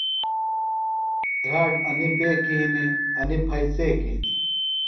دھراڇ انیۡ پیکیۡ ہِنیۡ، انیۡ پھئیۡ څیکیۡ ہِنیۡ